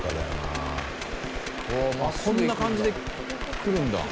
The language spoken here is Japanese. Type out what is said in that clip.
こんな感じで来るんだ。